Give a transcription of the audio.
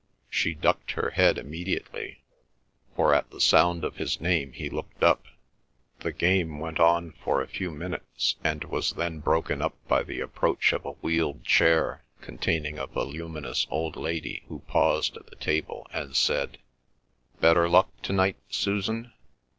She ducked her head immediately, for at the sound of his name he looked up. The game went on for a few minutes, and was then broken up by the approach of a wheeled chair, containing a voluminous old lady who paused by the table and said:— "Better luck to night, Susan?"